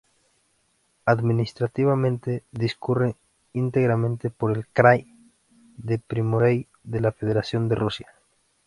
Administrativamente, discurre íntegramente por el krai de Primorie de la Federación de Rusia.